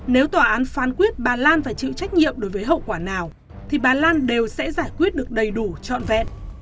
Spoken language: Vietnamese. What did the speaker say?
nếu tòa án phán quyết bà lan phải chịu trách nhiệm đối với hậu quả nào thì bà lan đều sẽ giải quyết được đầy đủ trọn vẹn